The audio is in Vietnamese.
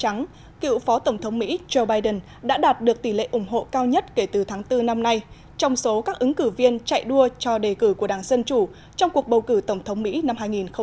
trước cựu phó tổng thống mỹ joe biden đã đạt được tỷ lệ ủng hộ cao nhất kể từ tháng bốn năm nay trong số các ứng cử viên chạy đua cho đề cử của đảng dân chủ trong cuộc bầu cử tổng thống mỹ năm hai nghìn hai mươi